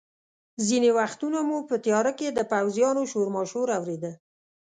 ځینې وختونه مو په تیاره کې د پوځیانو شورماشور اورېده.